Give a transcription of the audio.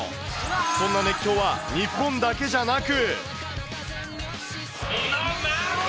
そんな熱狂は日本だけじゃなく。